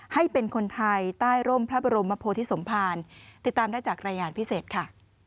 ให้เป็นคนไทยใต้ร่มพระบรมโพธิสมภารติดตามได้จากรายงานพิเศษค่ะ